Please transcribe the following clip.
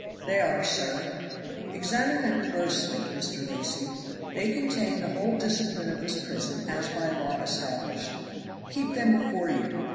"They are, sir." "Examine them closely, Mr. Lacy; they contain the whole discipline of this prison as by law established. Keep them before you.